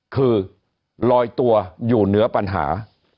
คือลอยตัวอยู่เหนือปัญหา